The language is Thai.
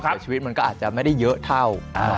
แต่ชีวิตมันก็อาจจะไม่ได้เยอะเท่า